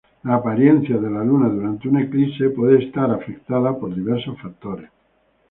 La apariencia de la Luna durante un eclipse puede ser afectada por diversos factores.